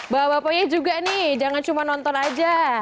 bapak bapaknya juga nih jangan cuma nonton aja